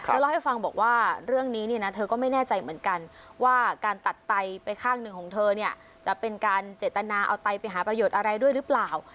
เล่าให้ฟังบอกว่าเรื่องนี้เนี่ยนะเธอก็ไม่แน่ใจเหมือนกันว่าการตัดไตไปข้างหนึ่งของเธอเนี่ยจะเป็นการเจตนาเอาไตไปหาประโยชน์อะไรด้วยหรือเปล่า